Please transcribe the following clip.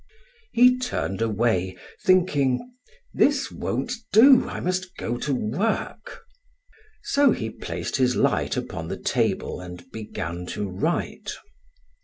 He turned away, thinking: "This won't do. I must go to work." So he placed his light upon the table and began to write.